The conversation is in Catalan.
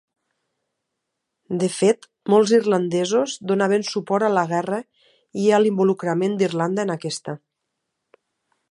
De fet, molts irlandesos donaven suport a la guerra i a l'involucrament d'Irlanda en aquesta.